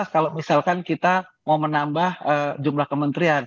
maksudnya jangan terlalu dikhawatirkan bahwa penambahan portfolio kementerian itu